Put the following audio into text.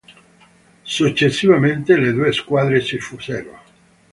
Successivamente le due squadre si fusero.